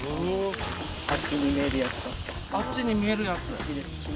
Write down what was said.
あっちに見えるやつ？